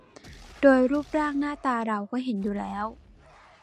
โดยรูปร่างหน้าตาเราก็เห็นอยู่แล้ว